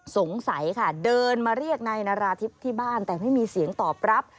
สงสัยค่ะเดินมาเรียกนายนาราธิบที่บ้านแต่ไม่มีเสียงตอบรับ